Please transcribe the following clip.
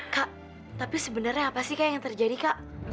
kak tapi sebenarnya apa sih kak yang terjadi kak